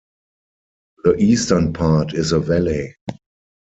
The eastern part is a valley.